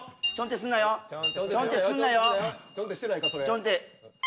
ちょんって。